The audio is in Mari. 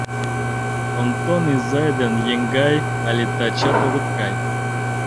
Онтон изай ден еҥгай але тачак огыт кай.